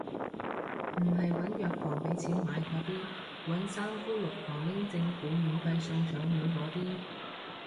唔係搵藥房畀錢買嗰啲，搵三姑六婆拎政府免費送上門嗰啲